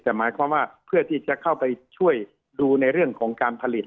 แต่หมายความว่าเพื่อที่จะเข้าไปช่วยดูในเรื่องของการผลิต